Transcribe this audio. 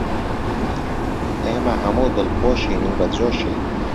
ئێمە هەموو دڵخۆشین و بەجۆشین